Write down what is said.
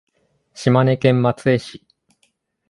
島根県松江市